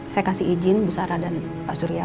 saya kasih izin bu sara dan pak surya